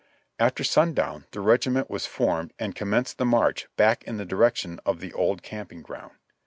After sundown the regiment was formed and com menced the march back in the direction of the old camping ground.